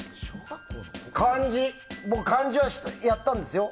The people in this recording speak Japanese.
僕、「漢字」はやったんですよ。